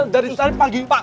dari pagi pak